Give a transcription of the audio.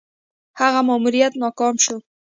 هغه ماموریت ناکام شو.